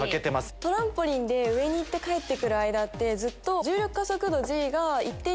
トランポリンで上に行って帰って来る間ってずっと。